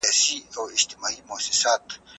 توري کاڼي هم کله د هنر برخه وګرځي.